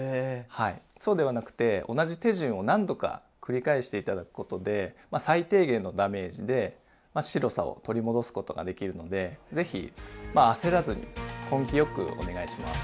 はいそうではなくて同じ手順を何度か繰り返して頂くことで最低限のダメージで白さを取り戻すことができるので是非まあ焦らずに根気よくお願いします。